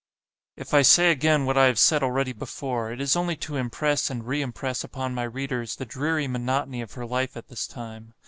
If I say again what I have said already before, it is only to impress and re impress upon my readers the dreary monotony of her life at this time.